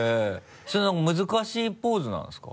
それなんか難しいポーズなんですか？